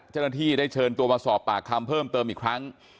เจ้าหน้าที่ได้เชิญตัวมาสอบปากคำเพิ่มเติมอีกครั้ง